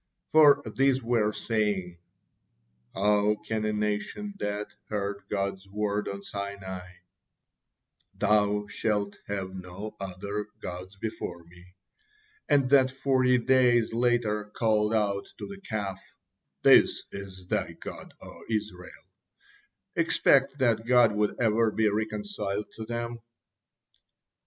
For these were saying: "How can a nation that heard God's word on Sinai, 'Thou shalt have no other gods before Me,' and that forty days later called out to the Calf, 'This is thy god, O Israel,' expect that God would ever be reconciled to them?"